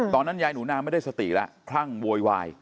ตอนนั้นยายหนูนาไม่ได้สติแล้วคลั่งโวยวาย